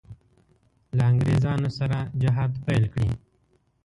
له انګرېزانو سره جهاد پیل کړي.